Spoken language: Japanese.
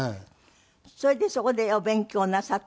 それでそこでお勉強なさって？